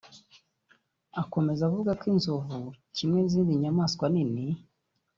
Akomeza avuga ko inzovu kimwe n’izindi nyamaswa nini